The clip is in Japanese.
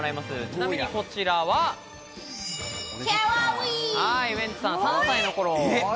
ちなみにこちらはウエンツさん３歳の頃。